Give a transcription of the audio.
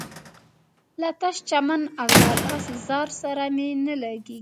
له تش چمن او لاله زار سره مي نه لګیږي